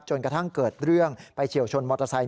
กระทั่งเกิดเรื่องไปเฉียวชนมอเตอร์ไซค